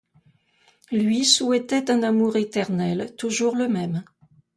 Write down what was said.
Lui, souhaitait un amour éternel, toujours le même.